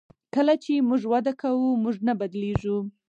کله چې موږ وده کوو موږ نه بدلیږو.